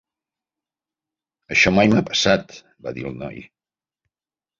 "Això mai m'ha passat", va dir el noi.